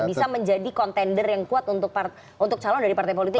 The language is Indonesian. bisa menjadi kontender yang kuat untuk calon dari partai politik